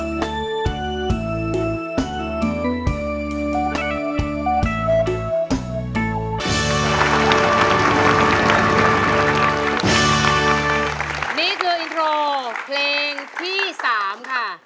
นี่คืออินโทรเพลงที่๓ค่ะ